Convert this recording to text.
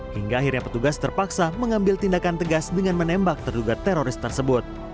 hingga akhirnya petugas terpaksa mengambil tindakan tegas dengan menembak terduga teroris tersebut